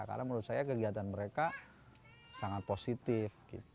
karena menurut saya kegiatan mereka sangat positif